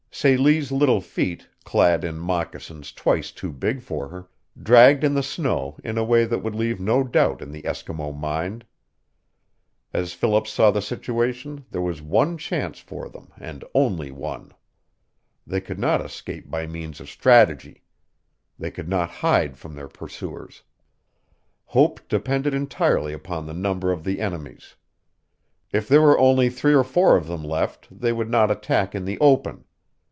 Celie's little feet, clad in moccasins twice too big for her, dragged in the snow in a way that would leave no doubt in the Eskimo mind. As Philip saw the situation there was one chance for them, and only one. They could not escape by means of strategy. They could not hide from their pursuers. Hope depended entirely upon the number of their enemies. If there were only three or four of them left they would not attack in the open.